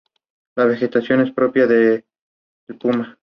La vegetación es la propia del Puna.